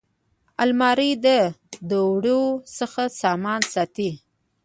الماري د دوړو څخه سامان ساتي